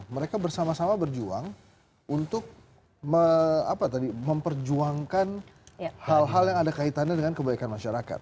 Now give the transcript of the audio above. mereka bersama sama berjuang untuk memperjuangkan hal hal yang ada kaitannya dengan kebaikan masyarakat